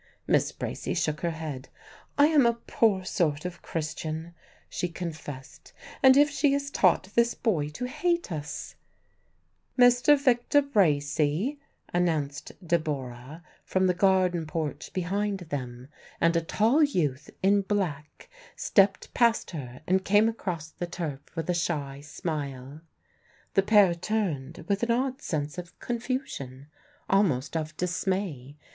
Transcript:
Miss Bracy shook her head "I am a poor sort of Christian," she confessed; "and if she has taught this boy to hate us " "Mr. Victor Bracy," announced Deborah from the garden porch behind them, and a tall youth in black stepped past her and came across the turf with a shy smile. The pair turned with an odd sense of confusion, almost of dismay.